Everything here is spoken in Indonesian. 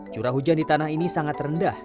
curah hujan di tanah ini sangat rendah